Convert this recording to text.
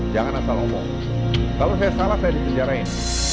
jangan asal ngomong kalau saya salah saya dipenjarain